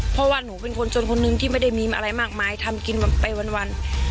เพราะว่าหนูเป็นคนจนคนนึงที่ไม่ได้มีอะไรมากมายทำกินไปวัน